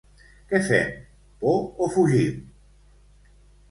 —Què fem, por o fugim?